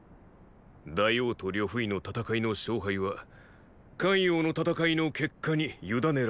大王と呂不韋の戦いの勝敗は咸陽の戦いの結果にゆだねられた。